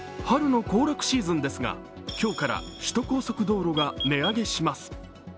春の行楽シーズンですが、今日から首都高速道路が値上げします。